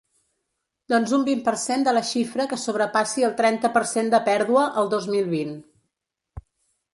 Doncs un vint per cent de la xifra que sobrepassi el trenta per cent de pèrdua el dos mil vint.